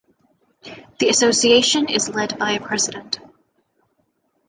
The association is led by a president.